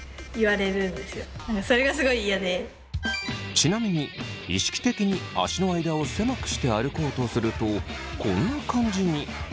ちなみに意識的に足の間を狭くして歩こうとするとこんな感じに。